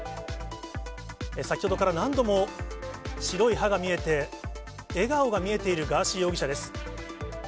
先ほどから何度も白い歯が見えて、笑顔が見えているガーシー容疑者です。